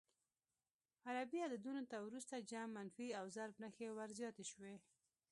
عربي عددونو ته وروسته جمع، منفي او ضرب نښې ور زیاتې شوې.